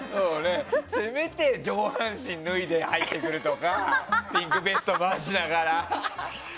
せめて上半身脱いで入ってくるとかピンクベスト回しながら。